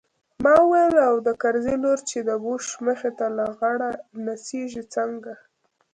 ما وويل او د کرزي لور چې د بوش مخې ته لغړه نڅېږي څنګه.